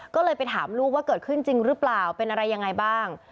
ก็เลยไปถามลูกว่าเกิดขึ้นจริงหรือเปล่าเป็นอะไรยังไงบ้าง